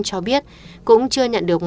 cho biết cũng chưa nhận được